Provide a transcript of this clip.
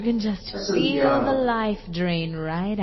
Ad sen-t-yeɛṛeḍ?